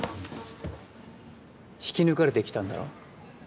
引き抜かれてきたんだろ？